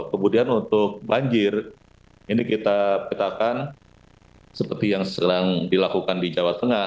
kemudian untuk banjir ini kita petakan seperti yang sedang dilakukan di jawa tengah